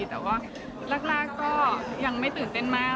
แต่ว่าแรกก็ยังไม่ตื่นเต้นมาก